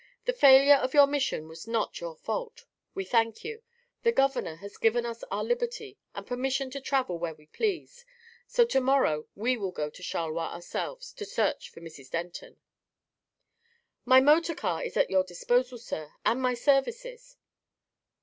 The failure of your mission was not your fault. We thank you. The governor has given us our liberty and permission to travel where we please, so to morrow we will go to Charleroi ourselves to search for Mrs. Denton." "My motor car is at your disposal, sir, and my services."